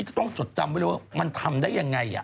อันนี้ต้องจดจำไว้เลยว่ามันทำได้อย่างไร